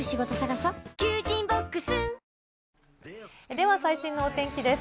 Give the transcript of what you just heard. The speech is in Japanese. では最新のお天気です。